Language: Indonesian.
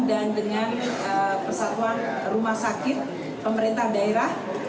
dan dengan persatuan rumah sakit pemerintah daerah